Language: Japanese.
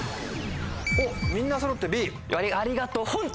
おっみんなそろってＢ。